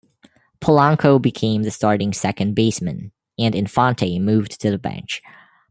Polanco became the starting second baseman, and Infante moved to the bench.